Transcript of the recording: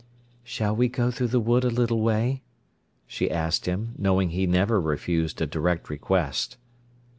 "Shall we go through the wood a little way?" she asked him, knowing he never refused a direct request.